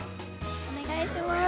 お願いします。